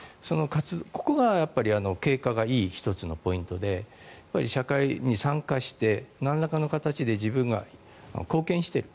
ここが経過がいい１つのポイントで社会に参加してなんらかの形で自分が貢献している。